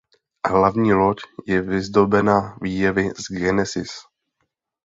Hlavní loď je vyzdobena výjevy z "Genesis".